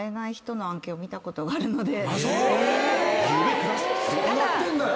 え⁉どうなってんだよ